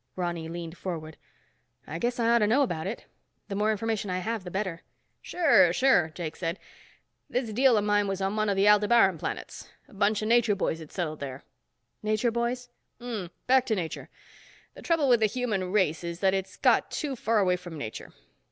Ronny leaned forward. "I guess I ought to know about it. The more information I have, the better." "Sure, sure," Jakes said. "This deal of mine was on one of the Aldebaran planets. A bunch of nature boys had settled there." "Nature boys?" "Um m m. Back to nature. The trouble with the human race is that it's got too far away from nature.